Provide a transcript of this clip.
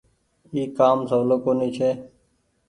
اي ڪآ م سولو ڪونيٚ ڇي ۔